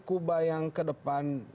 kuba yang kedepan